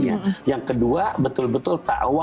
yang kedua betul betul takwa